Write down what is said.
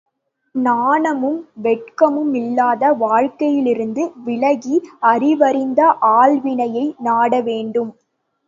நாணமும் வெட்கமுமில்லாத வாழ்க்கையிலிருந்து விலகி அறிவறிந்த ஆள்வினையை நாட வேண்டும்.